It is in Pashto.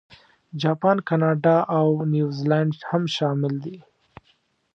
جاپان، کاناډا، او نیوزیلانډ هم شامل دي.